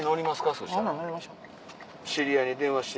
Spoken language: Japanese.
そしたら。